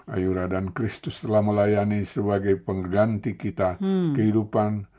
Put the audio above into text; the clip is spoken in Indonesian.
ayora dan kristus telah melayani sebagai pengganti kita kehidupan